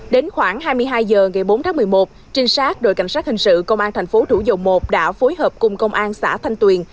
đến khoảng hai mươi hai h ngày bốn tháng một mươi một trinh sát đội cảnh sát hình sự công an thành phố thủ dầu một đã phối hợp cùng công an xã thanh tuyền